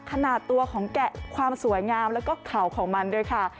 ขนาดตัวของแกะความสวยงามแล้วก็เข่าของมันด้วยค่ะ